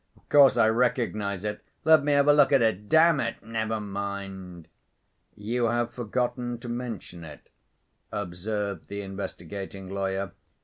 "Of course I recognize it. Let me have a look at it.... Damn it, never mind!" "You have forgotten to mention it," observed the investigating lawyer.